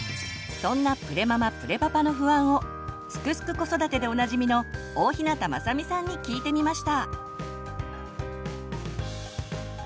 そんなプレママ・プレパパの不安を「すくすく子育て」でおなじみの大日向雅美さんに聞いてみました！